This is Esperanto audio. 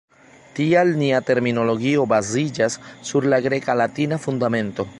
Tial nia terminologio baziĝas sur la greka-latina fundamento.